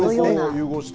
融合して。